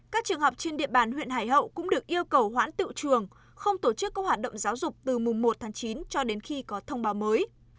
các trường học trên địa bàn huyện hải hậu cũng được yêu cầu hoãn tự trường không tổ chức các hoạt động giáo dục từ mùng một tháng chín cho đến khi có thông báo mới